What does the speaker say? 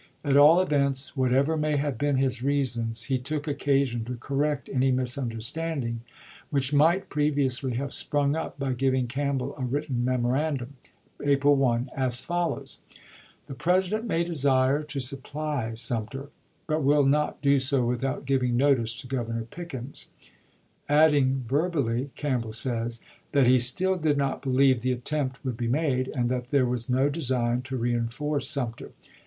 At all events, whatever may have been his reasons, he took occa sion to correct any misunderstanding which might previously have sprung up by giving Campbell a written memorandum (April 1), as follows :" The President may desire to supply Sumter, but will not do so without giving notice to Governor Pickens"; adding verbally (Campbell says) that he still did not believe the attempt would be made, and that there was no design to reenforce Sumter.